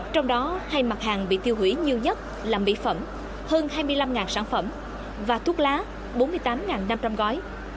trong đó hai mặt hàng bị tiêu hủy nhiều nhất là mỹ phẩm hơn hai mươi năm sản phẩm và thuốc lá bốn mươi tám năm trăm linh gói